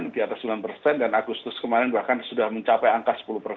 di atas sembilan persen dan agustus kemarin bahkan sudah mencapai angka sepuluh persen